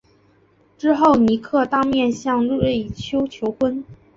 之后尼克当面向瑞秋求婚。